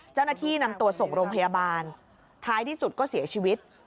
เจ้าหน้าที่นำตัวส่งโรงพยาบาลท้ายที่สุดก็เสียชีวิต